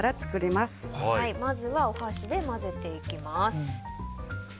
まずはお箸で混ぜていきます。